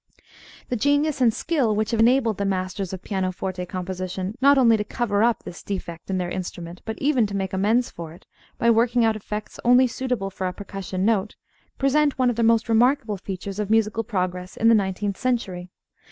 The genius and skill which have enabled the masters of pianoforte composition not only to cover up this defect in their instrument, but even to make amends for it, by working out effects only suitable for a percussion note, present one of the most remarkable features of musical progress in the nineteenth century.